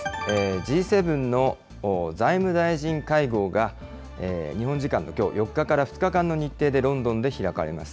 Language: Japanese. Ｇ７の財務大臣会合が日本時間のきょう、４日から２日間の日程でロンドンで開かれます。